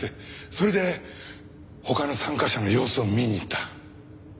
それで他の参加者の様子を見に行った。